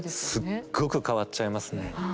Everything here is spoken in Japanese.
すっごく変わっちゃいますね。